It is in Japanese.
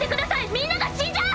みんなが死んじゃう！